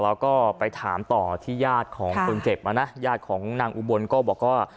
แล้วก็ไปถามต่อที่ญาติของคนเจ็บมานะญาติของนางอุบลก็บอกว่า